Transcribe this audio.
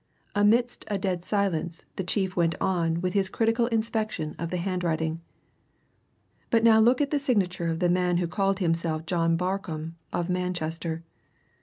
Amidst a dead silence the chief went on with his critical inspection of the handwriting. "But now look at the signature of the man who called himself John Barcombe, of Manchester.